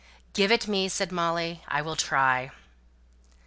"Give it me!" said Molly. "I will try."